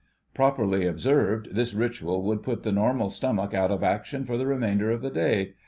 Properly observed, this ritual would put the normal stomach out of action for the remainder of the day.